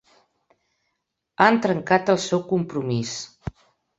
Han trencat el seu compromís.